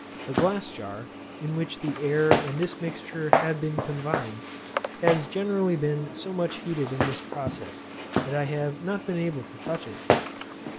The glass jar, in which the air and this mixture have been confined, has generally been so much heated in this process, that I have not been able to touch it.